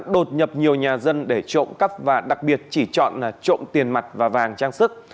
đột nhập nhiều nhà dân để trộm cắp và đặc biệt chỉ chọn trộm tiền mặt và vàng trang sức